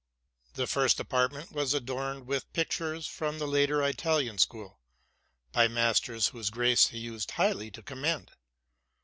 'The first apartment was adorned with pictures from the later Italian school, by masters whose grace he used highly to commend.